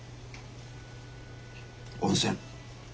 温泉。